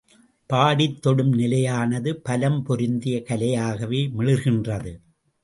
பாடித் தொடும் நிலையானது, பலம் பொருந்திய கலையாகவே மிளிர்கின்றது.